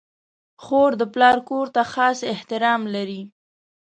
خور د پلار کور ته خاص احترام لري.